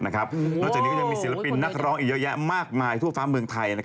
นอกจากนี้ก็ยังมีศิลปินนักร้องอีกเยอะแยะมากมายทั่วฟ้าเมืองไทย